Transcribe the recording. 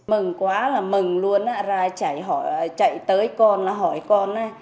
mừng quá là mừng luôn á ra chạy hỏi chạy tới con là hỏi con á